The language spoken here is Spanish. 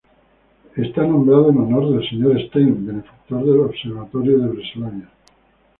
Está nombrado en honor del señor Stein, benefactor del observatorio de Breslavia.